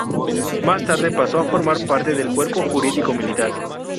Más tarde pasó a formar parte del Cuerpo Jurídico Militar.